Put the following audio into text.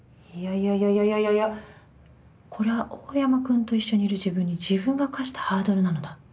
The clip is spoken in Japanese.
いやいやいや、これは大山くんと一緒にいる自分に、自分が課したハードルなのだ。